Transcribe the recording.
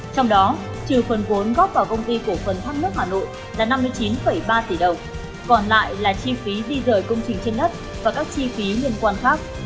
trong đó trừ phần vốn góp vào công ty cổ phần thoát nước hà nội là năm mươi chín ba tỷ đồng còn lại là chi phí di rời công trình trên đất và các chi phí liên quan khác